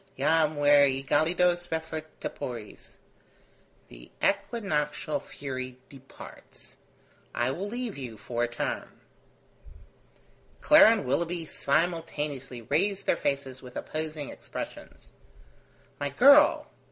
'Jam ver egelidos refert tepores.' The equinoctial fury departs. I will leave you for a term." Clara and Willoughby simultaneously raised their faces with opposing expressions. "My girl!"